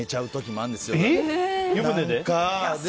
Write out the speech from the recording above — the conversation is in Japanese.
湯船で？